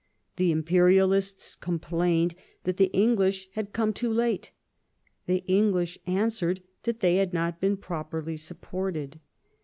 The imperialists complained that the English had come too late; the English answered that they had not been properly supported.